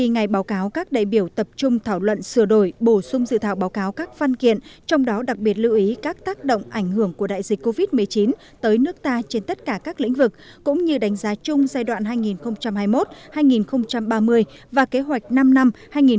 ngày báo cáo các đại biểu tập trung thảo luận sửa đổi bổ sung dự thảo báo cáo các văn kiện trong đó đặc biệt lưu ý các tác động ảnh hưởng của đại dịch covid một mươi chín tới nước ta trên tất cả các lĩnh vực cũng như đánh giá chung giai đoạn hai nghìn hai mươi một hai nghìn ba mươi và kế hoạch năm năm hai nghìn hai mươi một hai nghìn hai mươi năm